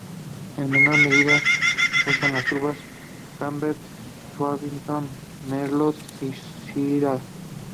En menor medida se usan las uvas "cabernet sauvignon, merlot" y "syrah.